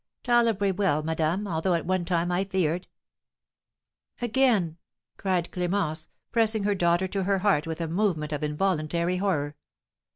"Tolerably well, madame; although at one time I feared." "Again!" cried Clémence, pressing her daughter to her heart with a movement of involuntary horror.